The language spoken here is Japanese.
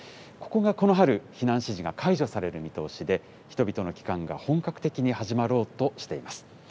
ここがこの春、避難指示が解除される見通しで、人々の帰還が本格的に始まろうとしています。